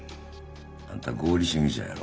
あんた合理主義者やろ？